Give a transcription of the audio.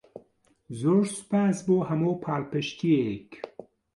زۆر سوپاس بۆ هەموو پاڵپشتییەک.